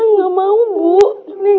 linggalin ibu sendirian